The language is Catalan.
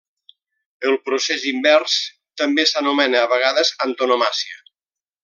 El procés invers també s'anomena a vegades antonomàsia.